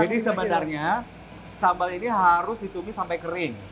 jadi sebenarnya sambal ini harus ditumis sampai kering